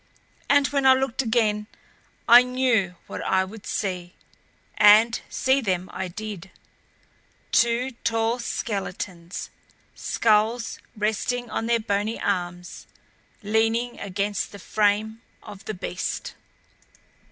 And when I looked again I knew what I would see and see them I did two tall skeletons, skulls resting on their bony arms, leaning against the frame of the beast.